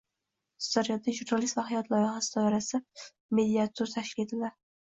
Sirdaryoda “Jurnalist va hayot” loyihasi doirasida mediatur tashkil etildi